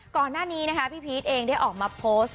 ก่อนหน้านี้นะคะพี่พีชเองได้ออกมาโพสต์